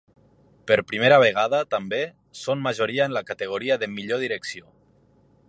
Per primera vegada, també, són majoria en la categoria de Millor direcció.